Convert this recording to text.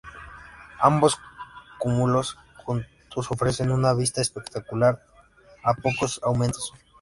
Ambos cúmulos juntos ofrecen una vista espectacular a pocos aumentos.